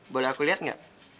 boleh aku lihat nggak